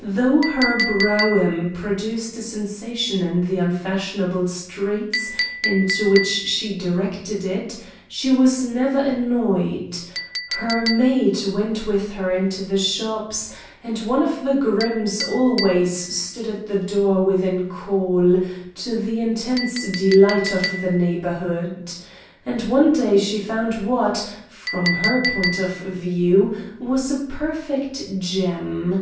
Though her brougham produced a sensation in the unfashionable streets into which she directed it, she was never annoyed. Her maid went with her into the shops, and one of the grooms always stood at the door within call, to the intense delight of the neighborhood. And one day she found what, from her point of view, was a perfect gem.